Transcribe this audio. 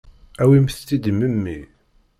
Awimt-tt-id i memmi.